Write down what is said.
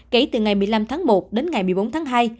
kể từ ngày một mươi năm tháng một đến ngày một mươi bốn tháng hai